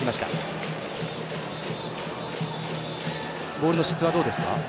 ボールの質はどうですか？